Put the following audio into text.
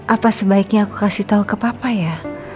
apa sebaiknya aku kasih tahu ke papa ya